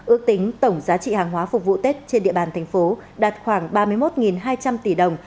ước tính tổng giá trị hàng hóa phục vụ tết trên địa bàn thành phố đạt khoảng ba mươi một hai trăm linh tỷ đồng